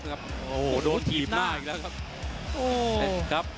โอ้โหโดนถีบหน้าอีกแล้วครับ